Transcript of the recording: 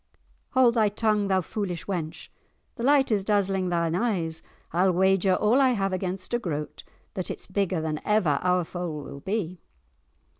"Hold thy tongue, thou foolish wench, the light is dazzling thine eyes. I'll wager all I have against a groat that it's bigger than ever our foal will be."